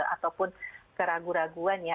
ataupun keraguan keraguan ya